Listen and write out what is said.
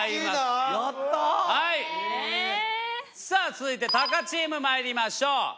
さあ続いてたかチームまいりましょう。